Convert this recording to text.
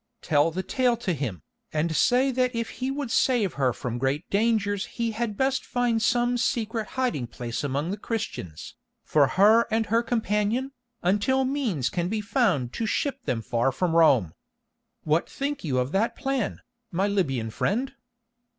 Tell the tale to him, and say that if he would save her from great dangers he had best find some secret hiding place among the Christians, for her and her companion, until means can be found to ship them far from Rome. What think you of that plan, my Libyan friend?"